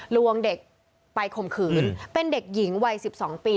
ลวงเด็กไปข่มขืนเป็นเด็กหญิงวัย๑๒ปี